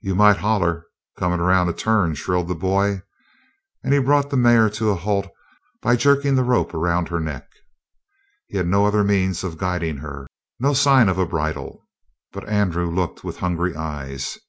"You might holler, comin' around a turn," shrilled the boy. And he brought the mare to a halt by jerking the rope around her neck. He had no other means of guiding her, no sign of a bridle. But Andrew looked with hungry eyes.